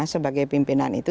sebagai pimpinan itu